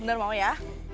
bener mau ya